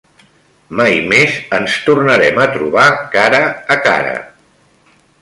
Mai més ens tornarem a trobar cara a cara.